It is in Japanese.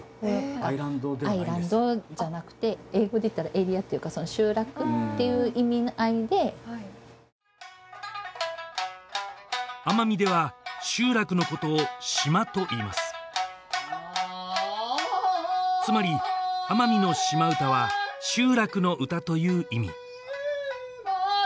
アイランドじゃなくて英語でいったらエリアというか集落っていう意味合いで奄美では集落のことをシマといいますつまり奄美のシマ唄は集落の唄という意味